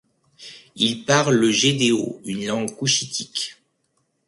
Ils parlent le gedeo, une langue couchitique.